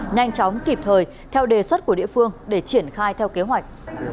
nhanh chóng kịp thời theo đề xuất của địa phương để triển khai theo kế hoạch